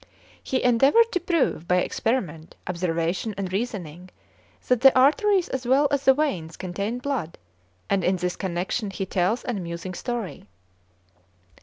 He endeavoured to prove, by experiment, observation, and reasoning, that the arteries as well as the veins contained blood, and in this connection he tells an amusing story.